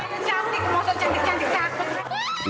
cantik cantik cantik cantik